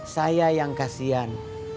saya yang kasian